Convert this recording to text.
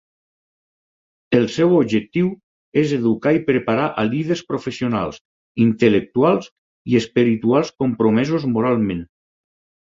El seu objectiu és educar i preparar a líders professionals, intel·lectuals i espirituals compromesos moralment.